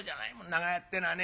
長屋ってのはね。